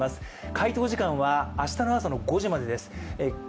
回答時間は明日の朝の５時までです。